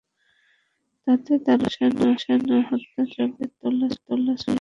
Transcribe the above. তাতে তারা গুলশান হত্যাযজ্ঞে তাদের তোলা ছবি দিয়ে একটি পোস্টার তৈরি করেছে।